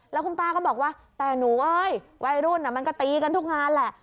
แล้วคุณป้าก็บอกว่าแต่หนูเอ้ยวัยรุ่นมันก็ตีกันทุกงานแหละ